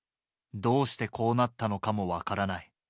どうしてこうなったのかも分からない。